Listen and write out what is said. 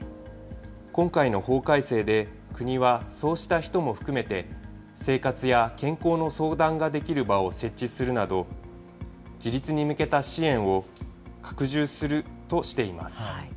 今回の法改正で、国はそうした人も含めて、生活や健康の相談ができる場を設置するなど、自立に向けた支援を拡充するとしています。